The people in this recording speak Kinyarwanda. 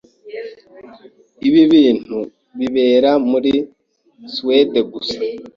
Ibi bintu bibera muri Suwede gusa.